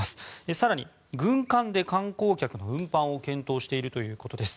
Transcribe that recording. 更に、軍艦で観光客の運搬を検討しているということです。